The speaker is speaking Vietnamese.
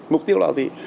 mục tiêu là gì